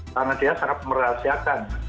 karena dia sangat merahasiakan